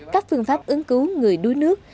các phương pháp ứng cứu người đuối nước